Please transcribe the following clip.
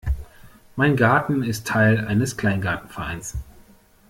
Mein Garten ist Teil eines Kleingartenvereins.